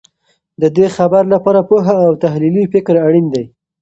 د دې خبر لپاره پوهه او تحلیلي فکر اړین دی.